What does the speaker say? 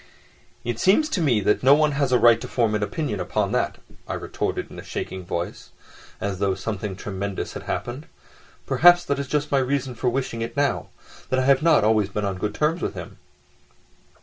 "It seems to me that no one has a right to form an opinion upon that," I retorted in a shaking voice, as though something tremendous had happened. "Perhaps that is just my reason for wishing it now, that I have not always been on good terms with him."